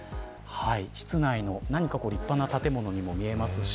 室内の立派な建物にも見えますし